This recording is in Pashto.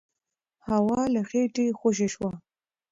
هوا له خېټې خوشې شوه.